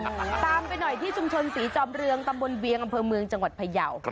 ตามไปหน่อยที่ชุมชนศรีจอมเรืองตำบลเวียงอำเภอเมืองจังหวัดพยาว